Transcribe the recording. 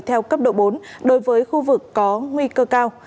theo cấp độ bốn đối với khu vực có nguy cơ cao